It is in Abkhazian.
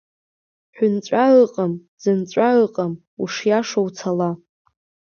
Ҳәынҵәа ыҟам, ӡынҵәа ыҟам, ушиашо уцала.